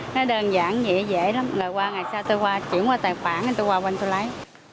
nó đơn giản dễ dễ lắm là qua ngày sau tôi qua chuyển qua tài khoản anh tôi qua bên tôi lấy